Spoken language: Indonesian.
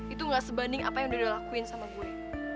itu gak sebanding apa yang udah dia lakuin sama gue